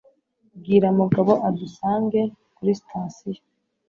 Bwira Mugabo adusange kuri sitasiyo.